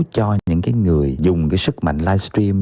cho những cái người dùng cái sức mạnh live stream